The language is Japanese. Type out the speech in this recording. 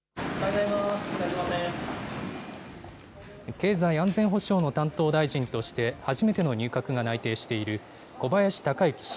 経済安全保障の担当大臣として、初めての入閣が内定している小林鷹之氏。